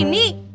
bukan bu rini